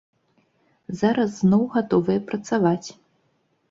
Зараз зноў гатовыя працаваць!